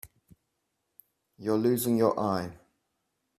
You're losing your eye.